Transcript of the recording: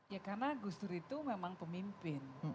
ya karena gus dur itu memang pemimpin